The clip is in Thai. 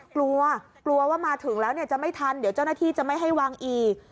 กลัวกลัวว่ามาถึงแล้วจะไม่ทันเดี๋ยวเจ้าหน้าที่จะไม่ให้วางอีก